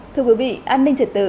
thưa quý vị an ninh trả tự